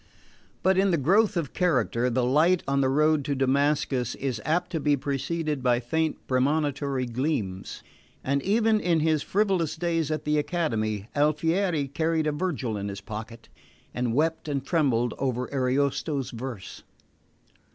But in the growth of character the light on the road to Damascus is apt to be preceded by faint premonitory gleams; and even in his frivolous days at the Academy Alfieri carried a Virgil in his pocket and wept and trembled over Ariosto's verse.